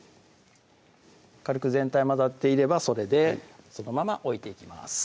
軽く全体混ざっていればそれでそのまま置いていきます